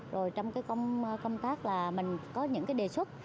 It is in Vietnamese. rồi trong công tác là mình có những đề xuất